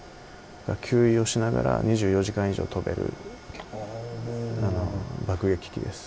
給油をしながら２４時間以上飛べる爆撃機です。